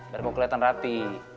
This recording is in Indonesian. biar mau kelihatan rapi